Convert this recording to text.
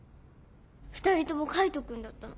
２人とも海斗君だったの。